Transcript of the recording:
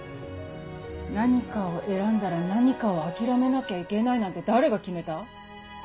何かを選んだら何かを諦めなきゃいけないなんて誰が決めた？